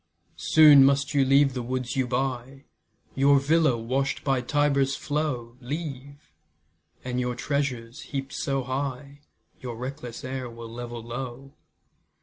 Soon must you leave the woods you buy, Your villa, wash'd by Tiber's flow, Leave, and your treasures, heap'd so high, Your reckless heir will level low.